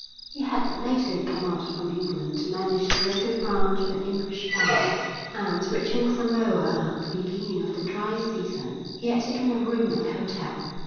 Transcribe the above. He had but lately come out from England to manage the local branch of an English bank, and, reaching Samoa at the beginning of the dry season, he had taken a room at the hotel.